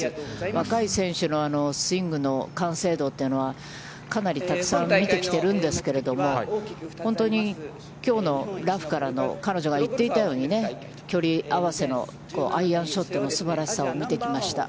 若い選手のスイングの完成度というのは、かなりたくさん見てきているんですけども、本当に、きょうのラフからの彼女が言っていたように、距離合わせのアイアンショットのすばらしさを見てきました。